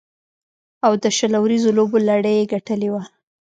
او د شل اوریزو لوبو لړۍ یې ګټلې وه.